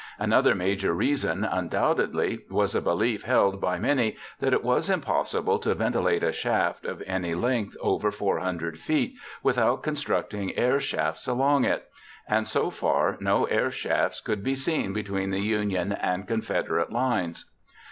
Another major reason, undoubtedly, was a belief held by many that it was impossible to ventilate a shaft of any length over 400 feet without constructing air shafts along it, and so far no air shafts could be seen between the Union and Confederate lines.